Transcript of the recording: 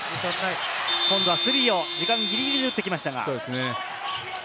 今度はスリーを時間ギリギリで打ってきましたが。